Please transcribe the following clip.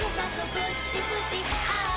プッチプチあぁ